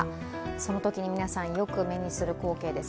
そのときに皆さん、よく目にする光景です。